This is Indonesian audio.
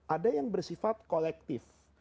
ada yang bersifat kolektif